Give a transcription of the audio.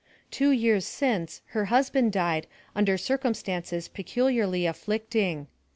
Two years since her husband died under circumstances peculiarly afllicting.